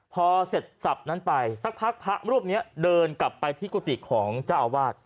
พอเสร็จสับนั้นไปสักพักพระรูปนี้เดินกลับไปที่กุฏิของเจ้าอาวาส